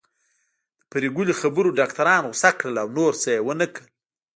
د پري ګلې خبرو ډاکټران غوسه کړل او نور څه يې ونکړل